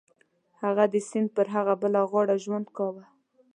هغه د سیند پر هغه بله غاړه ژوند کاوه.